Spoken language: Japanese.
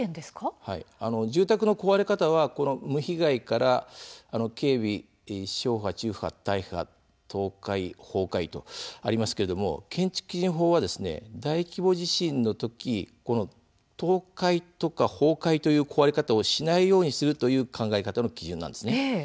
住宅の壊れ方は、無被害から軽微、小破、中破、大破倒壊、崩壊とありますけれども建築基準法は大規模地震の時倒壊とか崩壊という壊れ方をしないようにするという考え方の基準なんです。